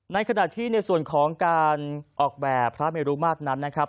ในขณะที่ในส่วนของการออกแบบพระเมรุมาตรนั้นนะครับ